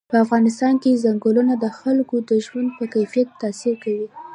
په افغانستان کې ځنګلونه د خلکو د ژوند په کیفیت تاثیر کوي.